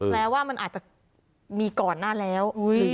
แปลว่ามันอาจจะมีก่อนหน้าแล้ว